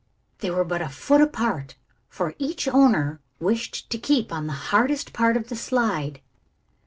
They were but a foot apart, for each owner wished to keep on the hardest part of the slide.